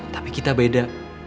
tapi kita beda